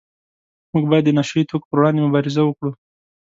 موږ باید د نشه یي توکو پروړاندې مبارزه وکړو